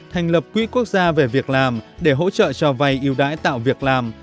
năm thành lập quỹ quốc gia về việc làm để hỗ trợ cho vay ưu đãi tạo việc làm